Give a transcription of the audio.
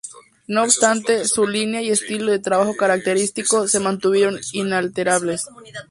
No obstante, su línea y estilo de trabajo característico se mantuvieron inalterables.